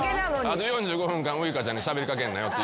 あと４５分間ウイカちゃんにしゃべり掛けんなよって。